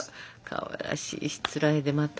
かわいらしいしつらえでまた。